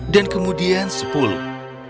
dan kemudian sepuluh